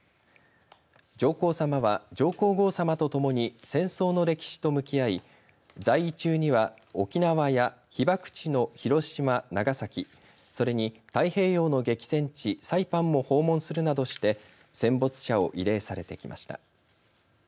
上皇さまは、上皇后さまと共に戦争の歴史と向き合い在位中には沖縄や被爆地の広島、長崎それに太平洋の激戦地サイパンも訪問するなどして戦没者を慰霊されてきました。